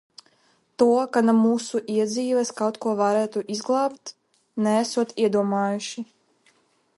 To, ka no mūsu iedzīves kaut ko varētu izglābt, neesot iedomājuši.